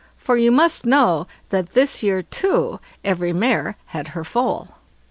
For you must know that this year too every mare had her foal.